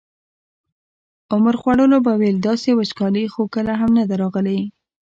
عمر خوړلو به ویل داسې وچکالي خو کله هم نه ده راغلې.